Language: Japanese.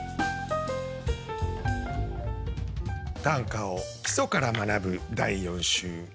短歌を基礎から学ぶ第４週。